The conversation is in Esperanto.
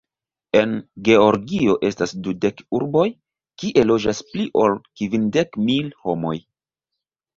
En Georgio estas dudek urboj, kie loĝas pli ol kvindek mil homoj.